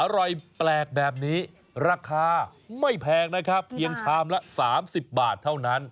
อร่อยแปลกแบบนี้ราคาไม่แพงนะครับเพียงชามละ๓๐บาทเท่านั้น